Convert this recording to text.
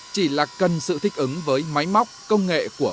chỉ là cần sự thích ứng với máy móc công nghệ của